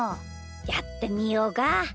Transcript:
やってみようか。